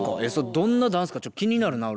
どんなダンスかちょっと気になるな俺。